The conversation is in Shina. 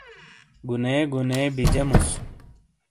گُنے گُنے بجیموس۔